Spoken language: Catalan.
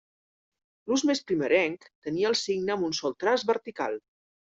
L'ús més primerenc tenia el signe amb un sol traç vertical.